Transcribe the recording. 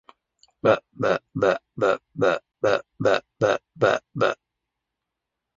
وَيَعْنِي بِالظِّلَالِ الشَّجَرَ وَبِالْأَكْنَانِ جَمْعِ كِنٍّ وَهُوَ الْمَوْضِعُ الَّذِي يُسْتَكَنُ فِيهِ